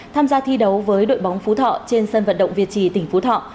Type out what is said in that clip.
tham gia thi đấu với đội bóng phú thọ trên sân vận động việt trì tỉnh phú thọ